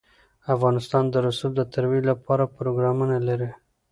افغانستان د رسوب د ترویج لپاره پروګرامونه لري.